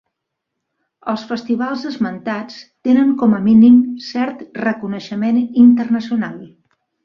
Els festivals esmentats tenen com a mínim cert reconeixement internacional.